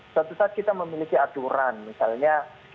suatu saat kita memiliki aturan misalnya